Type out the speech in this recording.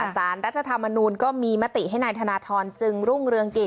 สารรัฐธรรมนูลก็มีมติให้นายธนทรจึงรุ่งเรืองกิจ